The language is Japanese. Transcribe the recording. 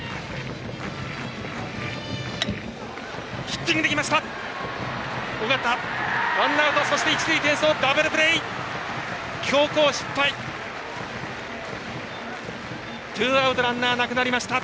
ヒッティングできました。